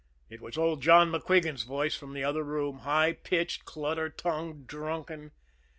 It was old John MacQuigan's voice, from the other room, high pitched, clutter tongued, drunken.